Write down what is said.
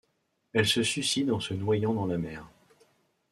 Elle se suicide en se noyant dans la mer.